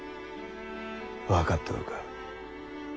分かっておるか？